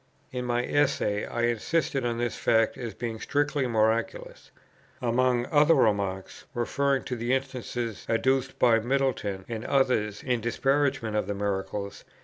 In my Essay I insisted on this fact as being strictly miraculous. Among other remarks (referring to the instances adduced by Middleton and others in disparagement of the miracle, viz.